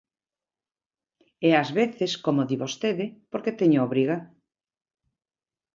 E ás veces –como di vostede– porque teño a obriga.